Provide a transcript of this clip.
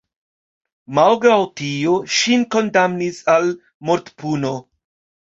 Malgraŭ tio ŝin kondamnis al mortpuno.